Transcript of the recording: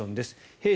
兵士